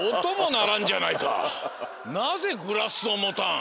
なぜグラスをもたん？